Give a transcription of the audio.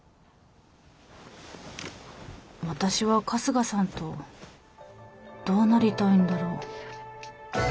私は春日さんとどうなりたいんだろう